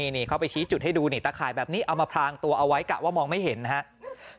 นี่เขาไปชี้จุดให้ดูนี่ตะข่ายแบบนี้เอามาพรางตัวเอาไว้กะว่ามองไม่เห็นนะครับ